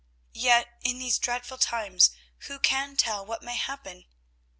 Yet, in these dreadful times who can tell what may happen?